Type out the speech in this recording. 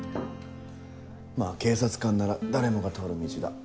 まぁ警察官なら誰もが通る道だ。